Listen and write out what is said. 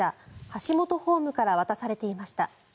ハシモトホームから渡されていました。